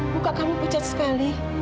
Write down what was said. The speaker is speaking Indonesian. muka kamu pucat sekali